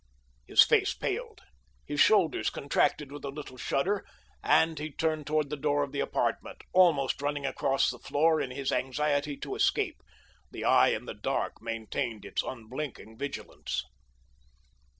His face paled. His shoulders contracted with a little shudder, and he turned toward the door of the apartment, almost running across the floor in his anxiety to escape. The eye in the dark maintained its unblinking vigilance.